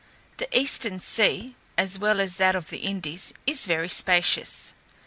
The eastern sea, as well as that of the Indies, is very spacious.